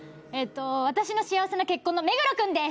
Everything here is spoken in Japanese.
「わたしの幸せな結婚」の目黒君です。